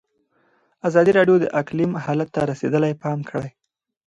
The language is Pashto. ازادي راډیو د اقلیم حالت ته رسېدلي پام کړی.